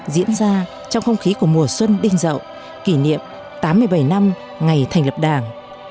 diễn ra trong không khí của mùa xuân đinh dậu kỷ niệm tám mươi bảy năm ngày thành lập đảng